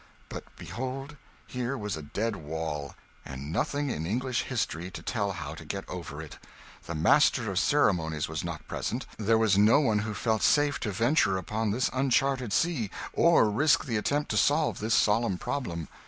But behold, here was a dead wall, and nothing in English history to tell how to get over it. The Master of Ceremonies was not present: there was no one who felt safe to venture upon this uncharted sea, or risk the attempt to solve this solemn problem.